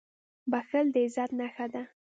• بښل د عزت نښه ده.